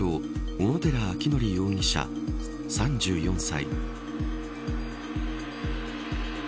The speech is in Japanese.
小野寺章仁容疑者３４歳。